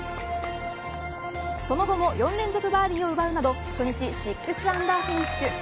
その後も４連続バーディーを奪うなど初日６アンダーフィニッシュ。